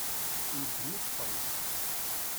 Yeddem-it Tom.